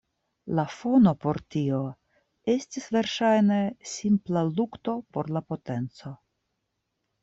La fono por tio estis verŝajne simpla lukto por la potenco.